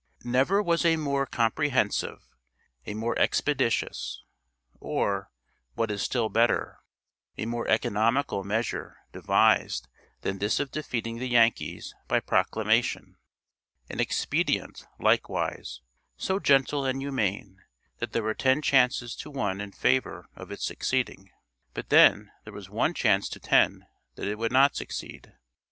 Never was a more comprehensive, a more expeditious, or, what is still better, a more economical measure devised than this of defeating the Yankees by proclamation an expedient, likewise, so gentle and humane, there were ten chances to one in favor of its succeeding; but then, there was one chance to ten that it would not succeed.